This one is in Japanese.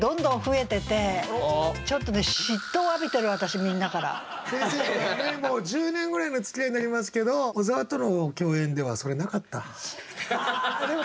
私の周りでもね先生とはねもう１０年ぐらいのつきあいになりますけど小沢との共演ではそれなかった？